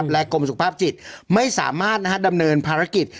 กรมสุขภาพจิตไม่สามารถดำเนินภารกิจ